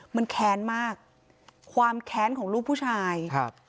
มันแค้นมากความแค้นของลูกผู้ชายครับ